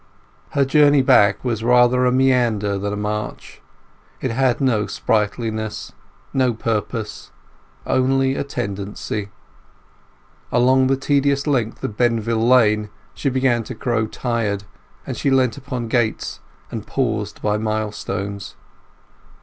Her journey back was rather a meander than a march. It had no sprightliness, no purpose; only a tendency. Along the tedious length of Benvill Lane she began to grow tired, and she leant upon gates and paused by milestones.